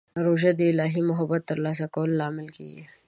روژه د الهي محبت ترلاسه کولو لامل کېږي.